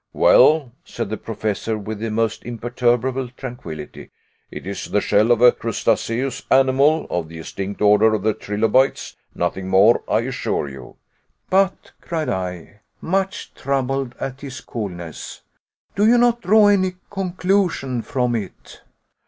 "Well, said the Professor, with the most imperturbable tranquillity, "it is the shell of a crustaceous animal of the extinct order of the trilobites; nothing more, I assure you." "But," cried I, much troubled at his coolness, "do you draw no conclusion from it?"